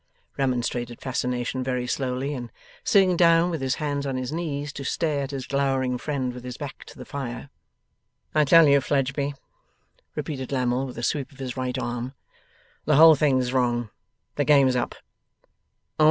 remonstrated Fascination very slowly, and sitting down with his hands on his knees to stare at his glowering friend with his back to the fire. 'I tell you, Fledgeby,' repeated Lammle, with a sweep of his right arm, 'the whole thing's wrong. The game's up.